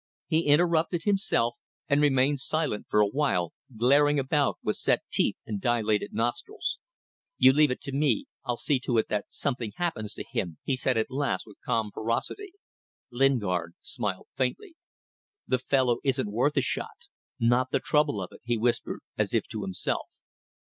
He interrupted himself and remained silent for a while, glaring about with set teeth and dilated nostrils. "You leave it to me. I'll see to it that something happens to him," he said at last, with calm ferocity. Lingard smiled faintly. "The fellow isn't worth a shot. Not the trouble of it," he whispered, as if to himself.